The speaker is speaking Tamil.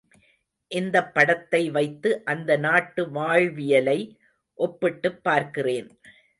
இந்தப் படத்தை வைத்து அந்த நாட்டு வாழ்வியலை ஒப்பிட்டுப் பார்க்கிறேன்.